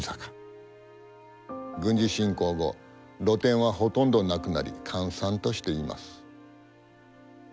軍事侵攻後露店はほとんどなくなり閑散としています。